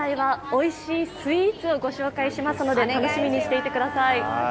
おいしいスイーツをご紹介しますので楽しみにしていてください。